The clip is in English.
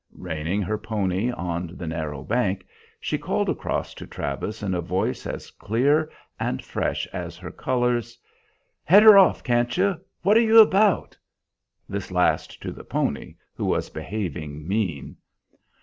Reining her pony on the narrow bank, she called across to Travis in a voice as clear and fresh as her colors: "Head her off, can't you? What are you about!" This last to the pony, who was behaving "mean."